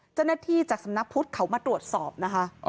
เจ้าหน้าที่จากสำนักพุทธเขามาตรวจสอบนะคะ